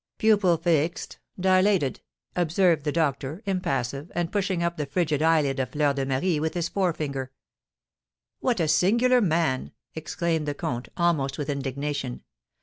"Pupil fixed dilated!" observed the doctor, impassive, and pushing up the frigid eyelid of Fleur de Marie with his forefinger. "What a singular man!" exclaimed the comte, almost with indignation.